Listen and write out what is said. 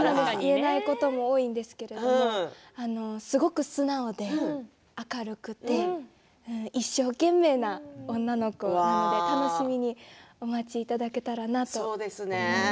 言えないことも多いんですがすごく素直で明るくて一生懸命な女の子なので楽しみにお待ちいただけたらと思います。